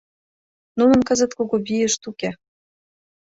Нунын кызыт кугу вийышт уке.